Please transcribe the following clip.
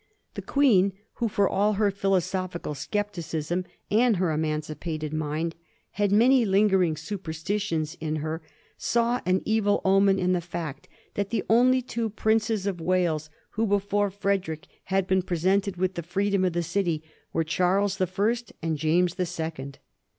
The Queen, who, for all her philosophical scepticism and her emancipated mind, had many lingering superstitions in her, saw an evil omen in the fact 'that the only two Princes of Wales who before Frederick had been pre sented with the freedom of the city were Charles the First and James the Second.